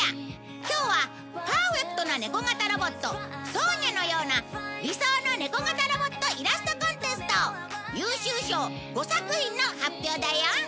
今日はパーフェクトなネコ型ロボットソーニャのような理想のネコ型ロボットイラストコンテスト優秀賞５作品の発表だよ